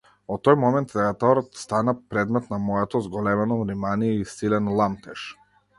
Од тој момент театарот стана предмет на моето зголемено внимание и силен ламтеж.